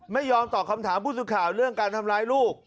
ไม่ยอมตอบคำถามผู้สื่อข่าวเรื่องการทำร้ายลูก